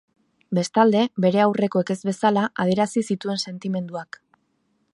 Bestalde, bere aurrekoek ez bezala adierazi zituen sentimenduak.